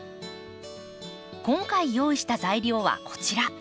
今回用意した材料はこちら。